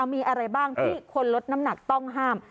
มีอะไรบ้างที่คนลดน้ำหนักต้องห้าม